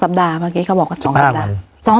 ๒สัปดาห์เมื่อกี้เขาบอกว่า๒สัปดาห์